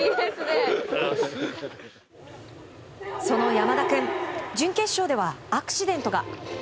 その山田君準決勝ではアクシデントが。